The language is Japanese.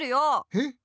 えっ。